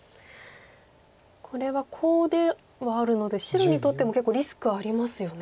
これはコウではあるので白にとっても結構リスクありますよね。